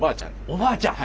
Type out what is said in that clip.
おばあちゃん。